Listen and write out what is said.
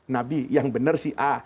nabi yang benar si a